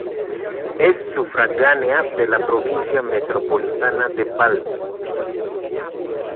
Es sufragánea de la provincia metropolitana de Baltimore.